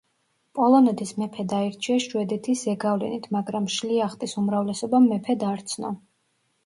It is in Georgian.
პოლონეთის მეფედ აირჩიეს შვედეთის ზეგავლენით, მაგრამ შლიახტის უმრავლესობამ მეფედ არ ცნო.